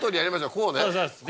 こうね？